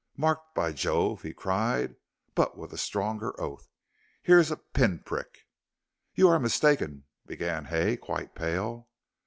"Marked, by Jove!" he cried, but with a stronger oath; "here's a pin prick." "You are mistaken," began Hay, quite pale.